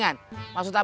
sayangan anak berkurang